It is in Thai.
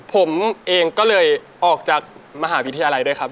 ผมเองก็เลยออกจากมหาวิทยาลัยด้วยครับ